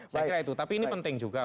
saya kira itu tapi ini penting juga